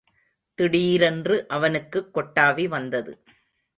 திடீரென்று அவனுக்குக் கொட்டாவி வந்தது.